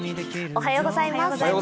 おはようございます。